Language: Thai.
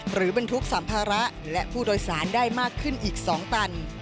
บรรทุกสัมภาระและผู้โดยสารได้มากขึ้นอีก๒ตัน